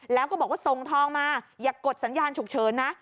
แล้วก็บอกว่าส่งทองมาอย่ากดสัญญาณฉุกเฉินนะ